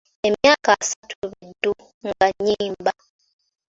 Emyaka asatu be ddu nga nnyimba.